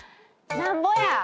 なんぼや！